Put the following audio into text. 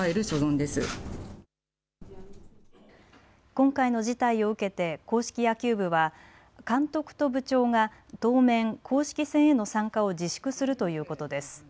今回の事態を受けて硬式野球部は監督と部長が当面、公式戦への参加を自粛するということです。